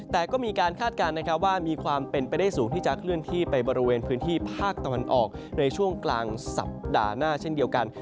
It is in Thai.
แต่ก็มีการคาดการณ์นะครับว่ามีความเป็นไปได้สูงที่จะเคลื่อนที่ไปบริเวณพื้นที่ภาคตะวันออกในช่วงกลางสัปดาห์หน้าเช่นเดียวกัน